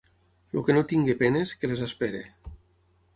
El que no tinga penes, que les espere.